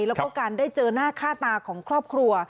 แล้วก็การได้เจอหน้าค่าตาของครอบครัว